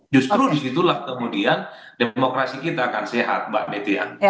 justru disitulah kemudian demokrasi kita akan sehat mbak metrian